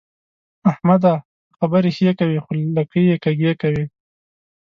احمده! ته خبرې ښې کوې خو لکۍ يې کږې کوي.